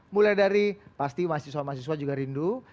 mulai dari pasti mahasiswa mahasiswa juga rindu